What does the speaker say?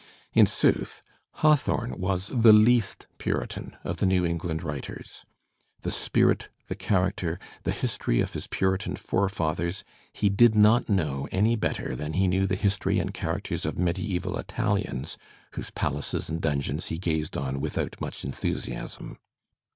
In sooth, Hawthorne was the least Puritan of the New Eng land writers; the spirit, the character, the history of his Puritan forefathers he did not know any better than he knew the history and characters of mediaeval Italians whose palaces and dungeons he gazed on without much enthusiasm.